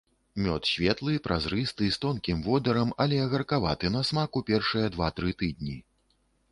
Мёд светлы, празрысты, з тонкім водарам, але гаркаваты на смак у першыя два-тры тыдні.